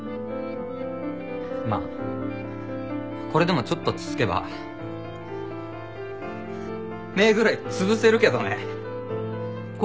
まあこれでもちょっとつつけば目ぐらい潰せるけどね。